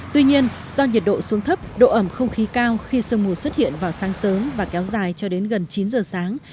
tuy nhiên do nhiệt độ xuống thấp độ ẩm không khí cao khi sương mù xuất hiện vào sáng sớm và kéo dài cho đến gần chín giờ sáng